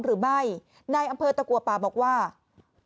หรือไม่นายอำเภอตะกัวปาบอกว่าจำไม่ได้